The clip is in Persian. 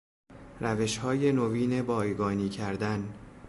روشهای نوین بایگانی کردن